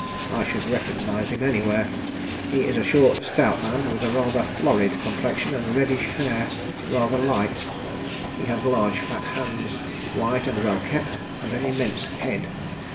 I should recognise him anywhere. He is a short, stout man, with a rather florid complexion and reddish hair, rather light. He has large fat hands, white and well kept, and an immense head.